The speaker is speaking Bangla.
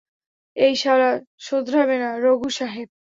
এই শালা শোধরাবে না, রঘু সাহেব।